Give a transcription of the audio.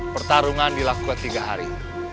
pertarungan dilakukan tiga hari